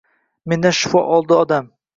Mendan shifo oldi odam